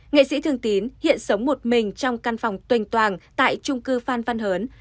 nghệ sĩ thương tín hiện sống một mình trong căn phòng tuyên toàn tại trung cư phan văn hớn